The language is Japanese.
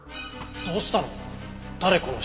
どうしたの？